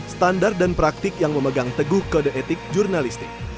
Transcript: standar dan praktik yang memegang teguh kode etik jurnalistik